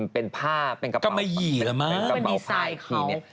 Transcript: เป็นผ้าเป็นกระเป๋าผ้ายทีเนี่ย